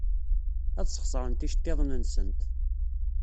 Ad sxeṣrent iceḍḍiḍen-nsent.